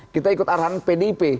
kita ikut arahan pdip